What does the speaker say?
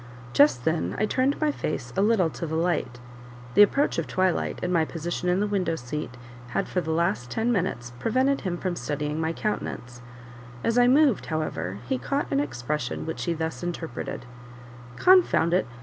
Just then I turned my face a little to the light; the approach of twilight, and my position in the window seat, had, for the last ten minutes, prevented him from studying my countenance; as I moved, however, he caught an expression which he thus interpreted: "Confound it!